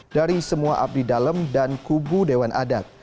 dari semua abdi dalam dan kubu dewan adat